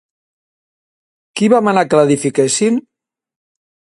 Qui va manar que l'edifiquessin?